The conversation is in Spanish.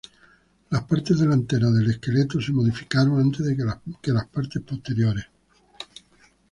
Las partes delanteras del esqueleto se modificaron antes que las partes posteriores.